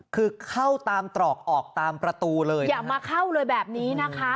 คือเข้าตามตรอกออกตามประตูเลยอย่ามาเข้าเลยแบบนี้นะคะ